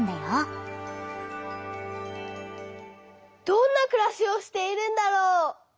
どんなくらしをしているんだろう？